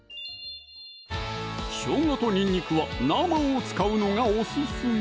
しょうがとにんにくは生を使うのがオススメ！